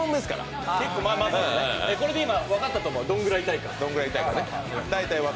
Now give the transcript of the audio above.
これで分かったと思うどんぐらい痛いか。